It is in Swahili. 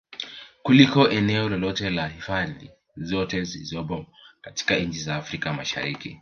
Kuliko eneo lolote la hifadhi zote zilizopo katika nchi za Afrika Mashariki